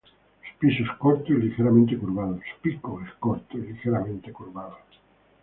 Su pico es corto y ligeramente curvado.